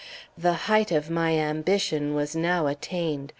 The height of my ambition was now attained.